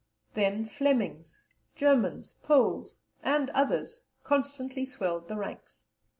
Then Flemings, Germans, Poles, and others constantly swelled the ranks.